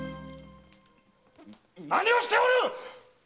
何をしておるっ‼